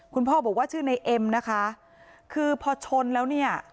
คุณพ่อบอกว่าชื่อในเอ็มนะคะคือพอชนแล้วเนี่ย